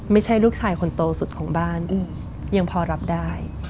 ไม่ใช่ลูกชายคนโตสุดของบ้านยังพอรับได้